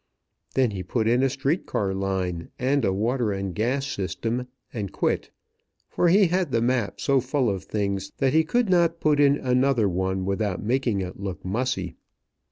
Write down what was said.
Then he put in a street car line and a water and gas system, and quit; for he had the map so full of things that he could not put in another one without making it look mussy.